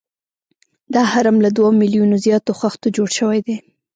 دا هرم له دوه میلیونه زیاتو خښتو جوړ شوی دی.